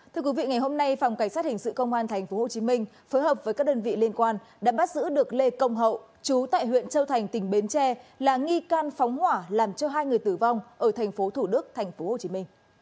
thưa quý vị ngày hôm nay phòng cảnh sát hình sự công an tp hcm phối hợp với các đơn vị liên quan đã bắt giữ được lê công hậu chú tại huyện châu thành tỉnh bến tre là nghi can phóng hỏa làm cho hai người tử vong ở tp thủ đức tp hcm